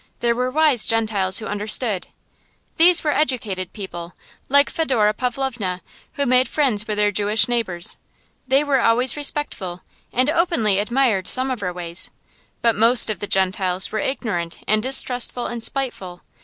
There were wise Gentiles who understood. These were educated people, like Fedora Pavlovna, who made friends with their Jewish neighbors. They were always respectful, and openly admired some of our ways. But most of the Gentiles were ignorant and distrustful and spiteful.